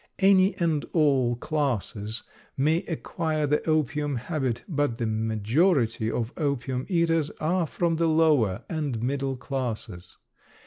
Any and all classes may acquire the opium habit, but the majority of opium eaters are from the lower and middle classes.